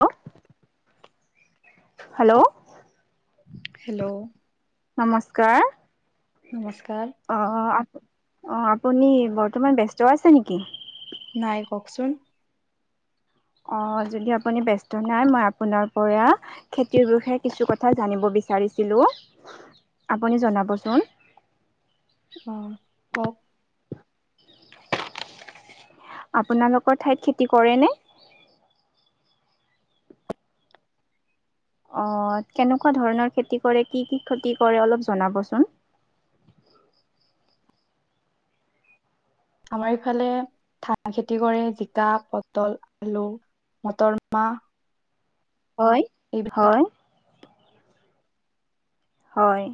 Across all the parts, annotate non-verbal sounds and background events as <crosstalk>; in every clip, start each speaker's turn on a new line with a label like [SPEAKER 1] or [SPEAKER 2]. [SPEAKER 1] Hello hello.
[SPEAKER 2] Hello,
[SPEAKER 1] নমস্কাৰ।
[SPEAKER 2] নমস্কাৰ।
[SPEAKER 1] অ, অ, অ, আপুনি বৰ্তমান ব্যস্ত আছে নেকি।
[SPEAKER 2] নাই কওকচোন।
[SPEAKER 1] অ যদি আপুনি ব্যস্ত নাই মই আপোনাৰ পৰা খেতিৰ বিষয়ে কিছু কথা জানিব বি বিচাৰিলে আপুনি জনাচোন।
[SPEAKER 2] অ, 'কওক।
[SPEAKER 1] আপোনালোকৰ ঠাইত খেতি কৰে ন? অ, ' কেনেকুৱা ধৰণৰ খেতি কৰে কি কি খেতি কৰে অলপ জনাবচোন। <unintelligible>
[SPEAKER 2] আমাৰ ইফালে ধান খেতি কৰে জিকা পটল আলু। মতৰ মাহ।
[SPEAKER 1] হয়,
[SPEAKER 2] এইবিলাক
[SPEAKER 1] হয়। হয়,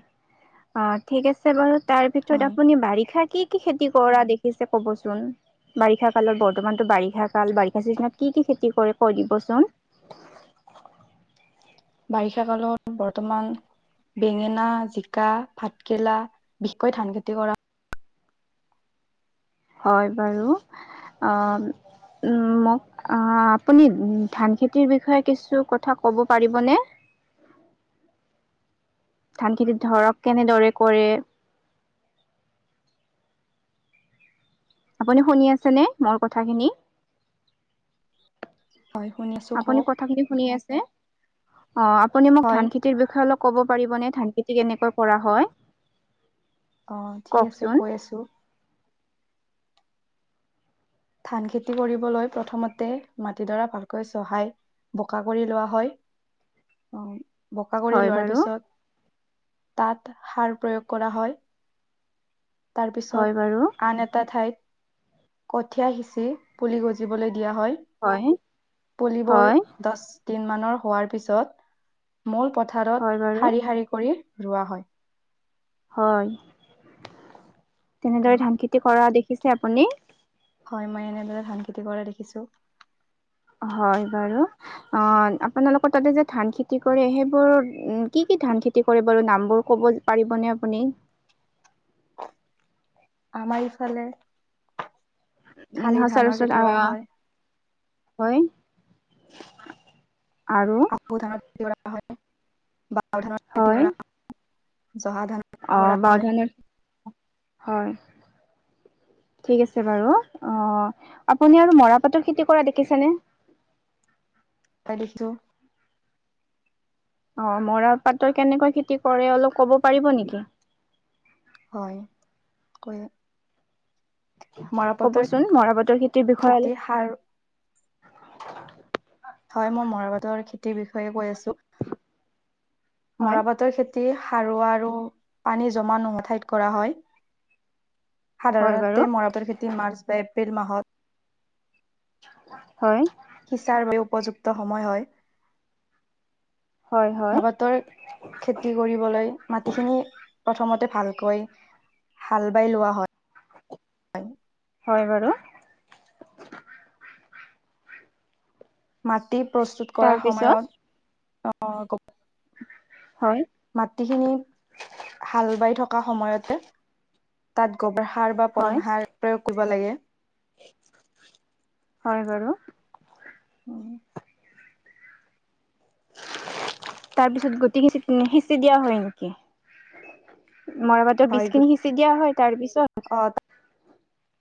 [SPEAKER 1] অ ঠিক আছে বাৰু, তাৰ ভিতৰত
[SPEAKER 2] হয়
[SPEAKER 1] আপুনি বাৰিষাত কি কি খেতি কৰা দেখিছে কবচোন। বাৰিষা কালত বৰ্তমানতো বাৰিষা কাল বাৰিষা চিজনত কি কি খেতি কৰে কৈ দিবচোন। <unintelligible>
[SPEAKER 2] বাৰিষা কালত বৰ্তমান বেঙেনা জিকা ভাতকেৰেলা বিশেষকৈ ধান খেতি কৰা
[SPEAKER 1] হয় বাৰু। উ মোক আপুনি ধান খেতিৰ বিষয়ে কিছু কথা ক'ব পাৰিবনে? ধান খেতি ধৰক কেনেদৰে কৰে। <unintelligible> আপুনি শুনি আছেনে মোৰ কথাখিনি।
[SPEAKER 2] হয় শুনি আছো
[SPEAKER 1] আপুনি
[SPEAKER 2] কওক
[SPEAKER 1] কথাখিনি শুনি আছে। অ, আপুনি মোক
[SPEAKER 2] হয়
[SPEAKER 1] ধান খেতিৰ বিষয়ে অলপ ক'ব পাৰিবনে ধান খেতি কেনেকৈ কৰা হয়।
[SPEAKER 2] অ, 'ঠিক আছে
[SPEAKER 1] কওকচোন
[SPEAKER 2] কৈ আছো। ধান খেতি কৰিবলৈ প্ৰথমতে মাটিডৰা ভালকৈ চহায়। বোকা কৰি লোৱা হয় আহ বোকা কৰি
[SPEAKER 1] হয়
[SPEAKER 2] লোৱাৰ
[SPEAKER 1] বাৰু
[SPEAKER 2] পিছত তাত সাৰ প্ৰয়োগ কৰা হয়।
[SPEAKER 1] হয় বাৰু
[SPEAKER 2] তাৰপিছত আন এটা ঠাইত কঠীয়া সিঁচি পুলি গজিবলৈ। দিয়া হয়, পুলিবোৰ
[SPEAKER 1] হয়
[SPEAKER 2] দহ দিন মানৰ হোৱাৰ পিছত মূল পথাৰত
[SPEAKER 1] হয় বাৰু
[SPEAKER 2] শাৰী শাৰী কৰি ৰোৱা হয়।
[SPEAKER 1] হয়, তেনেদৰে ধান খেতি কৰা দেখিছে আপুনি?
[SPEAKER 2] হয়, মই এনেদৰে ধান খেতি কৰা দেখিছো।
[SPEAKER 1] হয় বাৰু, অ', আপোনালোকৰ তাতে যে ধান খেতি কৰে সেইবোৰ কি কি ধান খেতি কৰে বাৰু নামবোৰ কব পাৰিবনে আপুনি।
[SPEAKER 2] আমাৰ ইফালে শালি ধানৰ খেতি কৰা
[SPEAKER 1] <unintelligible>
[SPEAKER 2] হয়
[SPEAKER 1] হয়। আৰু
[SPEAKER 2] আহু ধান খেতি কৰা হয় বা ধানৰ খেতি
[SPEAKER 1] হয়
[SPEAKER 2] কৰা হৈ।
[SPEAKER 1] অ', বাৰ ধানৰ, হয়। ঠিক আছে বাৰু, অ', আপুনি আৰু মৰাপাটৰ খেতি কৰা দেখিছেনে?
[SPEAKER 2] অ', দেখিছোঁ।
[SPEAKER 1] অ', মৰা পাটৰ কেনেকৈ খেতি কৰে অলপ কব পাৰিব নিকি।
[SPEAKER 2] হয়, ক
[SPEAKER 1] কবচোন মৰা পাটৰ খেতিৰ বিষযে
[SPEAKER 2] খেতি সাৰ
[SPEAKER 1] অলপ।
[SPEAKER 2] হয়, মই মৰাপাটৰ খেতিৰ বিষয়ে কৈ আছো,
[SPEAKER 1] হয়
[SPEAKER 2] মৰাপাটৰ খেতি সাৰুৱা আৰু পানী জমা নুহা ঠাইত কৰা হয়।
[SPEAKER 1] হয় বাৰু
[SPEAKER 2] সাধাৰণতে মৰাটোৰ খেতি মাৰ্চ বা এপ্ৰিল মাহত
[SPEAKER 1] হয়।
[SPEAKER 2] সিচাৰ বৰ উপযুক্ত সময় হয়।
[SPEAKER 1] হয় হয়
[SPEAKER 2] লগত খেতি কৰিবলৈ মাটিখিনি প্ৰথমতে ভালকৈ হাল বাই লোৱা হয়-হয়।
[SPEAKER 1] হয় বাৰু।
[SPEAKER 2] মাটি প্ৰস্তুত কৰা
[SPEAKER 1] তাৰপিছত
[SPEAKER 2] সময়ত অহ,
[SPEAKER 1] <unintelligible>
[SPEAKER 2] মাটিখিনি হাল বাই থকা সময়তে। তাত গোবৰ সাৰ বা
[SPEAKER 1] হয়
[SPEAKER 2] পন সাৰ কব লাগে।
[SPEAKER 1] হয় বাৰু। তাৰ পিছত গুটি খিনি সিচি দিয়া হয় নিকি? মৰাবাটৰ
[SPEAKER 2] হয়
[SPEAKER 1] বিজখিনি সিচি দিয়া হয় তাৰ পিছত।
[SPEAKER 2] অ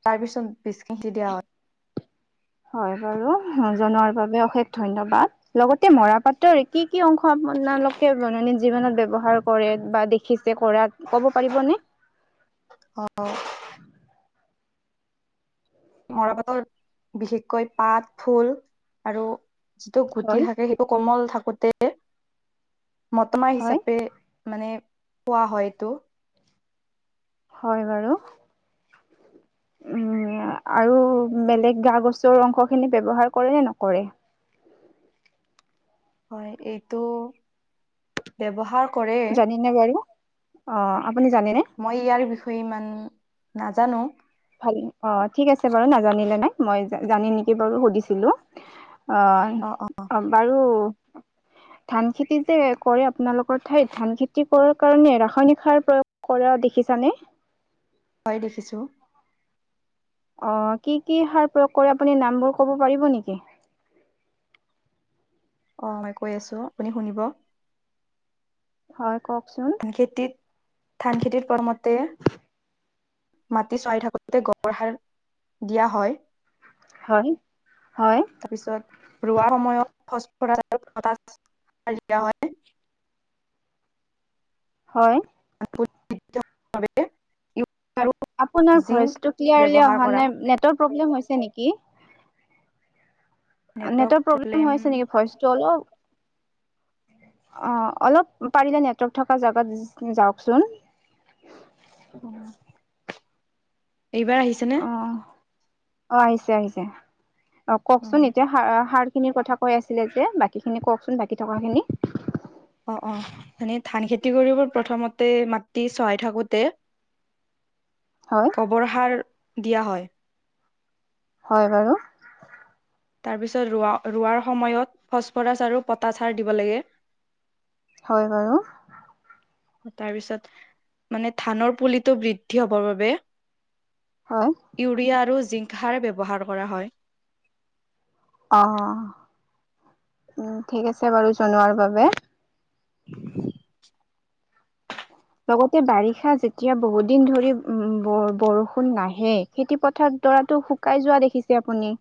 [SPEAKER 2] তাৰ পিছত বীজ খিনি দি দিয়া হয়।
[SPEAKER 1] হয় বাৰু জনোৱাৰ বাবে অশেষ ধন্যবাদ, লগতে মৰা পাতটো কি - কি অংশ মালালুকে জেনেৰেলি যিৱনত ব্যৱহাৰ কৰে বা দেখিছে টো কৰাত ক'ব পাৰিবনে।
[SPEAKER 2] মৰাপাটতত বিশেষকৈ পাত, ফুল আৰু যিটো গুটি
[SPEAKER 1] হয়
[SPEAKER 2] থাকে সেইটো কমল থাকোতে মতমা
[SPEAKER 1] হয়
[SPEAKER 2] হিচাপে মানে পোৱা হয় এইটো।
[SPEAKER 1] হয় বাৰু। উম। আৰু বেলেগ গা গছৰ অংশ খিনি ব্যৱহাৰ কৰে নে নকৰে।
[SPEAKER 2] হয়, এইটো ব্যৱহাৰ কৰে
[SPEAKER 1] জানিনে বাৰু অ, আপুনি জানেনে
[SPEAKER 2] মই ইয়াৰ বিষয়ে ইমান নাজানো।
[SPEAKER 1] ভাল অ, ঠিক আছে বাৰু নাজানিলে নাই মই জানি নেকি বাৰু সুধিছিলো।
[SPEAKER 2] অ অ
[SPEAKER 1] অ-অবাৰু ধান খটিতাই কৰে, এই বটাত প্ৰযোজক আপোনালোকৰ ঠাইত ধান খেতি কৰাৰ কাৰণে ৰাসায়নিক সাৰ পৰা কৰা দেখি। দেখিছানে।
[SPEAKER 2] হয় দেখিছো।
[SPEAKER 1] অ, কি- কি সাৰ প্ৰয়োগ কৰে আপুনি নামবোৰ ক'ব পাৰিব নিকি। <unintelligible>
[SPEAKER 2] অ, মই কৈ আছো আপুনি শুনিব।
[SPEAKER 1] হয়। কওকচোন
[SPEAKER 2] ধান খেতিত - ধান খেতিত পৰমতে মাটি চৰাই থাকোতে গড় সাৰ দিয়া হয়।
[SPEAKER 1] হয় হয়
[SPEAKER 2] তাৰপিছত ৰোৱা সময়ত প দিয়া হয়। <unintelligible>
[SPEAKER 1] হয়।
[SPEAKER 2] <unintelligible> ইউৰিয়া আৰু
[SPEAKER 1] আপোনাৰ
[SPEAKER 2] জিংক
[SPEAKER 1] ভইচেটো কিলিয়াৰলি
[SPEAKER 2] ব্যৱহাৰ
[SPEAKER 1] অহা
[SPEAKER 2] কৰা
[SPEAKER 1] নাই নেটৰ প্ৰব্লেম হৈছে নেকি। নেটৱৰ্ক প্ৰব্লেম হৈছে নেকি ভইচটো অলপ। অ, অলপ পাৰিলে নেটৱৰ্ক থকা জেগাত যাওকচোন।
[SPEAKER 2] এইবাৰ আহিছে নে।
[SPEAKER 1] অ' অ, আহিছে - আহিছে অ, কওকচোন এতিয়াৰ সাৰ - সাৰ খিনিৰ কথা কৈ আছিলে যে বাকীখিনি কওঁকচোন, বাকী থকাখিনি।
[SPEAKER 2] অ' অ' মানে ধান খেতি কৰিব প্ৰথমতে মাটি চহায় থাকোঁতে
[SPEAKER 1] হয়
[SPEAKER 2] গোবৰ সাৰ দিয়া হয়।
[SPEAKER 1] হয়, হয় আৰু
[SPEAKER 2] তাৰপিছত ৰোৱাৰ সময়ত ফচফৰাছ আৰু পতাচ সাৰ দিব লাগে।
[SPEAKER 1] হয়, হয় আৰু
[SPEAKER 2] তাৰপিছত মানে ধানৰ পুলিটো বৃদ্ধি হ'বৰ বাবে।
[SPEAKER 1] হয়
[SPEAKER 2] ইউৰিয়া আৰু জিংক হাৰ ব্যৱহাৰ কৰা হয়।
[SPEAKER 1] অ' উ ঠিক আছে বাৰু জনোৱাৰ বাবে। লগতে বাৰিষা যেতিয়া বহু দিন ধৰি উম বৰ-বৰষুণ নাহে খেতি পথাৰত উতৰাটো শুকাই যোৱা দেখিছে আপুনি।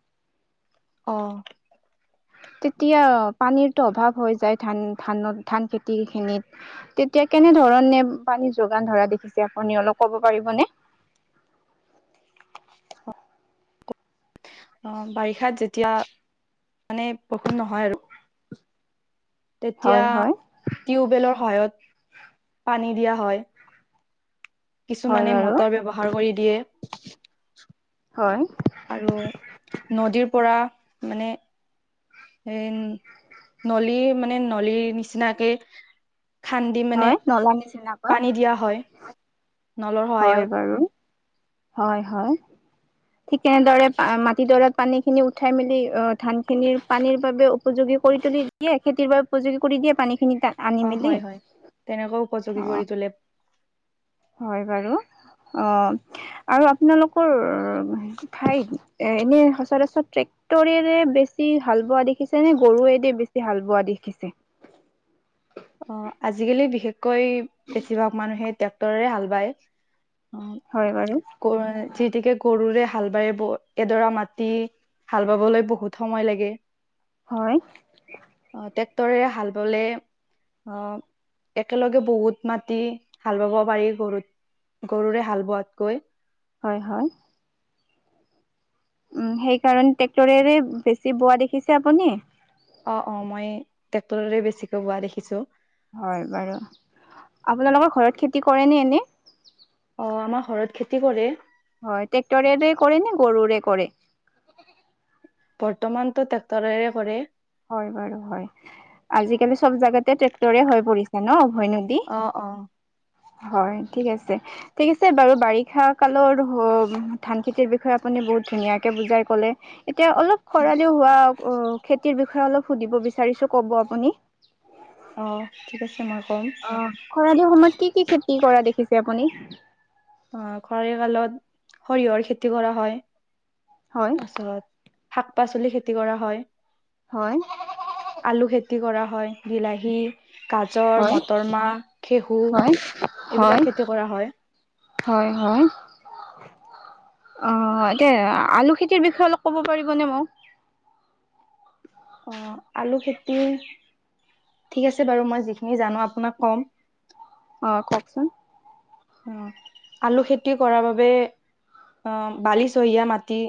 [SPEAKER 2] অ'।
[SPEAKER 1] তেতিয়া পানীৰতো অভাৱ হৈ যায় ধান-ধানত-ধান খেতি খিনিত তেতিয়া এতিয়া কেনে ধৰণে পানী যোগান ধৰা দেখিছে আপুনি অলপ ক'ব পাৰিবনে?
[SPEAKER 2] অহ বাৰিষাত যেতিয়া মানে বষুন নহয় আৰু। তেতিয়া
[SPEAKER 1] হয় হয়
[SPEAKER 2] টিউবৱেলৰ সহায়ত পানী দিয়া হয়।
[SPEAKER 1] হয়
[SPEAKER 2] কিছুমানে
[SPEAKER 1] বাৰু
[SPEAKER 2] মটৰ ব্যৱহাৰ কৰি দিয়ে।
[SPEAKER 1] হয়
[SPEAKER 2] আৰু নদীৰ পৰা মানে এ নলি মানে নলীৰ নিচিনাকে খান্দি মানে
[SPEAKER 1] হয় নলা নিচিনাকৈ
[SPEAKER 2] পানী দিয়া হয়। নলৰ
[SPEAKER 1] হয়
[SPEAKER 2] সহায়ত
[SPEAKER 1] বাৰু, হয় হয়। ঠিক তেনেদৰে মাটিডৰাত পানী খিনি উঠাই মেলি অ ধান খিনিৰ পানীৰ বাবে উপযোগী কৰি দিয়ে খেতিৰ বাবে উপযোগী কৰি দিয়ে পানীখিনি।
[SPEAKER 2] অ' হয় হয় তেনেকুৱাও উপযোগী
[SPEAKER 1] অ
[SPEAKER 2] কৰি তোলে।
[SPEAKER 1] হয় বাৰু। অ' আৰু আপোনালোকৰ ঠাইত এ এনে সচৰাচৰ ট্ৰেক তৰেৰে বেছি হাল বোৱা দেখিছে নে গৰুৱেদি বেছি হাল বোৱা দেখিছে?
[SPEAKER 2] অ আজিকালি বিশেষকৈ বেছিভাগ মানুহে ট্ৰেক্টৰেৰে হাল বায়
[SPEAKER 1] হয় বাৰু
[SPEAKER 2] অ যিতিকে গৰুৰে হাল বাই ব এডৰা মাটি হাল বাবলৈ বহুত সময় লাগে
[SPEAKER 1] হয়
[SPEAKER 2] টেক্টৰে হাল বালে আহ একেলগে বহুত মাটি হাল বাব পাৰি গৰুত গৰুৰে হাল বোৱাতকৈ
[SPEAKER 1] হয় হয় উ সেইকাৰণে ট্ৰেক্টৰেৰে বেছি বোৱা দেখিছে আপুনি
[SPEAKER 2] অ অ মই ট্ৰেক্টৰৰে বেছিকৈ বোৱা দেখিছো
[SPEAKER 1] হয় বাৰু আপোনালোকৰ ঘৰত খেতি কৰে ন এনে
[SPEAKER 2] অ আমাৰ ঘৰত খেতি কৰে
[SPEAKER 1] হয় টেক্টৰে কৰে নে গৰুৰে কৰে
[SPEAKER 2] বৰ্তমানতটো ট্ৰেক্টৰেৰে কৰে
[SPEAKER 1] হয় বাৰু হয় আজিকালি চব জাগাতে ট্ৰেক্টৰে হৈ পৰিছে ন উভয় নদী
[SPEAKER 2] অ অ
[SPEAKER 1] হয় ঠিক আছে ঠিক আছে বাৰু বাৰিষা কালৰ হ ওক ধান খেতিৰ বিষয়ে আপুনি বহুত ধুনীয়াকে বুজাই ক'লে এতিয়া অলপ খৰালিও হোৱা অ খেতিৰ বিষয়ে অলপ সুধিব বিচাৰিছো ক'ব আপুনি
[SPEAKER 2] অ ঠিক আছে মই ক'ম
[SPEAKER 1] অ', খৰালি সময়ত কি কি খেতি কৰা দেখিছে আপুনি?
[SPEAKER 2] অ', খৰালি কালত সৰিয়হৰ খেতি কৰা হয়।
[SPEAKER 1] হয়
[SPEAKER 2] তাৰাছত শাক-পাচলি খেতি কৰা হয়।
[SPEAKER 1] হয়
[SPEAKER 2] আলু খেতি কৰা হয়, বিলাহী। গাজৰ,
[SPEAKER 1] হয়
[SPEAKER 2] মটৰ মাহ, খেহু
[SPEAKER 1] হয় হয়
[SPEAKER 2] এইবিলাক খেতি কৰা হয়।
[SPEAKER 1] হয়, হয়। অ', এয়া আলু খেতিৰ বিষয়ে অলপ ক'ব পাৰিবনে মোক?
[SPEAKER 2] অ', আলু খেতি ঠিক আছে বাৰু, মই যিখিনি জানো আপোনাক কম।
[SPEAKER 1] অহ, কওঁকচোন।
[SPEAKER 2] অ', আলু খেতি কৰাৰ বাবে অ', বালিচহীয়া মাটি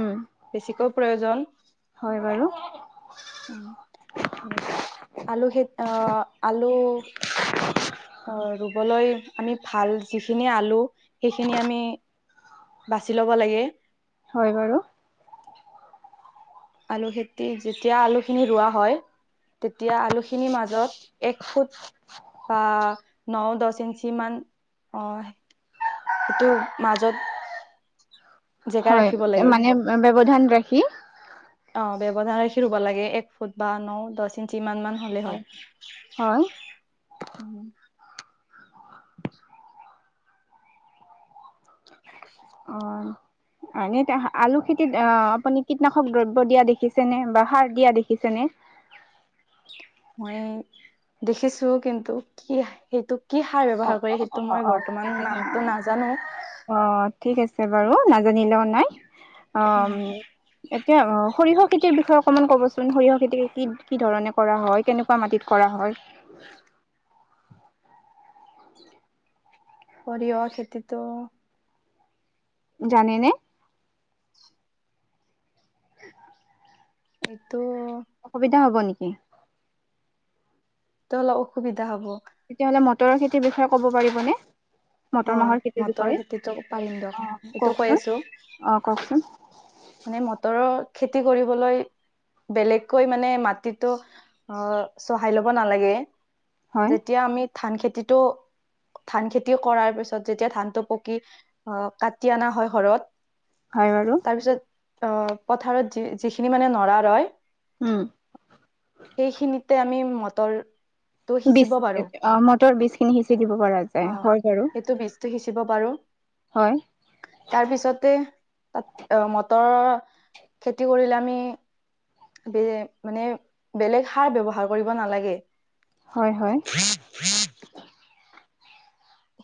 [SPEAKER 1] উম
[SPEAKER 2] বেছিকৈও প্ৰয়োজন,
[SPEAKER 1] হয় বাৰু
[SPEAKER 2] উম। আলু খেত অহ, আলু অ', ৰুবলৈ আমি ভাল যিখিনি আলু সেইখিনি আমি বাচি ল'ব লাগে।
[SPEAKER 1] হয় বাৰু।
[SPEAKER 2] আলু খেতি যেতিয়া আলুখিনি ৰোৱা হয়। তেতিয়া আলুখিনিৰ মাজত এক ফুট বা নহ দহ ইঞ্চি মান অ' সেইটোৰ মাজত। জেগা
[SPEAKER 1] হয়,
[SPEAKER 2] ৰাখিব লাগে
[SPEAKER 1] মানে ব্যৱধান ৰাখি।
[SPEAKER 2] অ ব্যৱধান ৰাখি ৰুৱ লাগে এক ফুট বা ন, দহ ইঞ্চি কিমান মান হ'লে হয়।
[SPEAKER 1] হয় অহ' আমি তাহ আলু খেতিত অ' আপুনি কীটনাশক দ্ৰব্য দিয়া দেখিছে নে বা সাৰ দিয়া দেখিছে নে? <unintelligible>
[SPEAKER 2] মই দেখিছোঁ, কিন্তু কি সেইটোক কি সাৰ
[SPEAKER 1] অ
[SPEAKER 2] ব্যৱহাৰ কৰে
[SPEAKER 1] অ অ
[SPEAKER 2] সেইটো
[SPEAKER 1] অ
[SPEAKER 2] মই
[SPEAKER 1] অ
[SPEAKER 2] বৰ্তমান
[SPEAKER 1] দেখিছেনে
[SPEAKER 2] নামটো
[SPEAKER 1] আপুনি?
[SPEAKER 2] নাজানোঁ।
[SPEAKER 1] অ ঠিক আছে বাৰু, নাজানিলেও নাই অ' এতিয়া অ'সৰিয়হ খেতিৰ বিষয়ে অকণমান ক'বচোন সৰিয়হ খেতি কি কি ধৰণে কৰা হয়, কেনেকুৱা মাটিত কৰা হয়। <unintelligible>
[SPEAKER 2] সৰিয়হ খেতিতো।
[SPEAKER 1] জানে নে?
[SPEAKER 2] সেইটো
[SPEAKER 1] অসুবিধা হ'ব নেকি?
[SPEAKER 2] টো হ'লে অসুবিধা হ'ব।
[SPEAKER 1] তেতিয়া হ'লে মটৰৰ খেতিৰ বিষয়ে ক'ব পাৰিবনে? মটৰ
[SPEAKER 2] হয়
[SPEAKER 1] মাহৰ খেতিৰ
[SPEAKER 2] মটৰ
[SPEAKER 1] বিষয়ে,
[SPEAKER 2] খেতিটো পাৰিম দিয়ক
[SPEAKER 1] অ'
[SPEAKER 2] এইটো কৈ
[SPEAKER 1] কওঁকচোন,
[SPEAKER 2] আছো
[SPEAKER 1] অ' কওঁকচোন।
[SPEAKER 2] মানে মটৰৰ খেতি কৰিবলৈ। বেলেগকৈ মানে মাটিতো অ' চহায় ল'ব নালাগে।
[SPEAKER 1] হয়
[SPEAKER 2] যেতিয়া আমি ধান খেতিটো ধান খেতি কৰাৰ পিছত, যেতিয়া ধানটো পকি আহ কাটি অনা হয় ঘৰত
[SPEAKER 1] হয়, বাৰু।
[SPEAKER 2] অ', পথাৰত যি-যিখিনি মানে নৰা ৰয়।
[SPEAKER 1] উম
[SPEAKER 2] সেইখিনিতে আমি মটৰ
[SPEAKER 1] বিজ অ', মটৰ বিজখিনি সিঁচি দিব পৰা
[SPEAKER 2] অ
[SPEAKER 1] যায়, হয় বাৰু।
[SPEAKER 2] সেইটো বীজটো
[SPEAKER 1] হয়।
[SPEAKER 2] তাৰপিছতে তাত মটৰৰ খেতি কৰিলে আমি বে মানে বেলেগ সাৰ ব্যৱহাৰ কৰিব নালাগে।
[SPEAKER 1] হয়, হয়।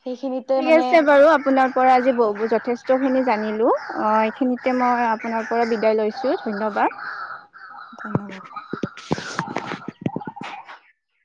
[SPEAKER 2] সেইখিনিতে
[SPEAKER 1] ঠিক
[SPEAKER 2] মানে
[SPEAKER 1] আছে বাৰু আপোনাৰ পৰা আজি বহুব যথেষ্ট যথষ্টখিনি জানিলোঁ। এইখিনিতে মই আপোনাৰ পৰা বিদায় লৈছোঁ ধন্যবাদ।
[SPEAKER 2] ধন্যবাদ।
[SPEAKER 1] <unintelligible>